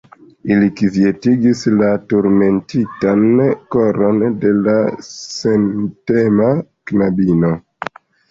Ili kvietigis la turmentitan koron de la sentema knabino.